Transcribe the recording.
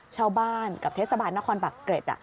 ชาวบ้านกับเทศบาลนครปักเกร็ด